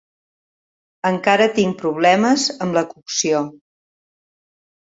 Encara tinc problemes amb la cocció.